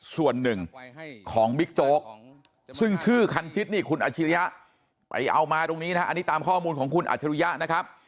ส่วนหนึ่งของบิ๊กโจ๊กจึงชื่อคันชิดนี่คุณอัจฉริยะ